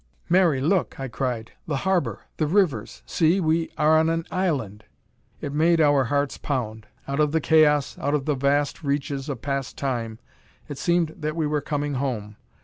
"Mary, look!" I cried. "The harbor the rivers! See, we are on an island!" It made our hearts pound. Out of the chaos, out of the vast reaches of past Time, it seemed that we were coming home.